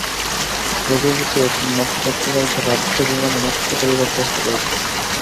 রঘুপতি এখন নক্ষত্ররায়কে রাজ্যাভিমানে মত্ত করিবার চেষ্টা করিতেছেন।